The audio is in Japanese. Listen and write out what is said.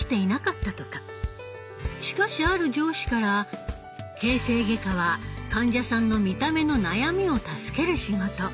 しかしある上司から「形成外科は患者さんの見た目の悩みを助ける仕事。